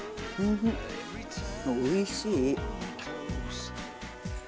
おいしい。